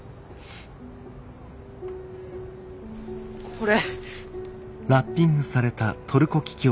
これ。